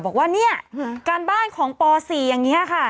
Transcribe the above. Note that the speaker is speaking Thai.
บอกว่าเนี่ยการบ้านของป๔อย่างนี้ค่ะ